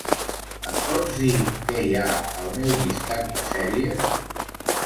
Em pots dir què hi ha al meu llistat de sèries?